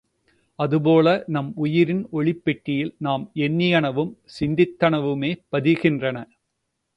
அது போல நம் உயிரின் ஒலிப் பெட்டியில் நாம் எண்ணியனவும் சிந்தித்தனவுமே பதிகின்றன.